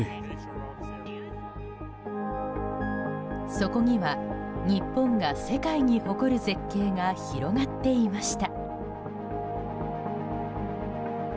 そこには日本が世界に誇る絶景が広がっていました。